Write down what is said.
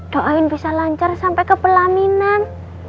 doain bisa lancar sampai ke pelaminan